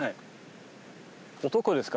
男ですか？